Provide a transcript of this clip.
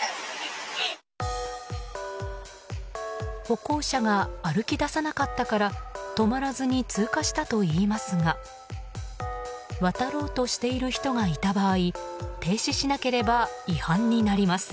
歩行者が歩き出さなかったから止まらずに通過したといいますが渡ろうとしている人がいた場合停止しなければ違反になります。